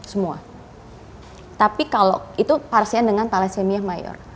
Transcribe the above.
semua tapi kalau itu parsean dengan thalassemia mayor